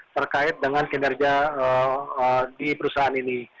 terkait dengan kinerja di perusahaan ini